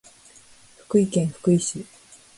福井県福井市